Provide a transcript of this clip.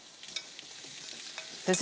先生